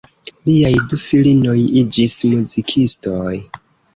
Liaj du filinoj iĝis muzikistoj.